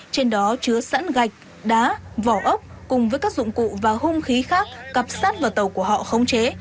trên đó chứa sẵn gạch đá vỏ ốc cùng với các dụng cụ và hung khí khác cặp sát vào tàu của họ khống chế